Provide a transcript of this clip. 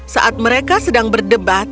saat mereka sedang berdebat